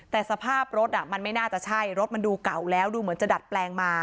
แต่สภาพรถมันไม่น่าจะใช่รถมันดูเก่าแล้วดูเหมือนจะดัดแปลงมา